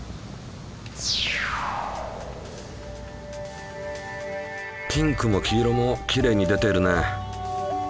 ピンクも黄色もきれいに出ているね。